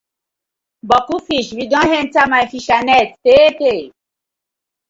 Boku fish been don enter my fishernet tey tey.